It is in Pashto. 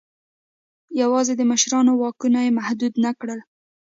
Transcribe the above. یوازې د مشرانو واکونه یې محدود نه کړل.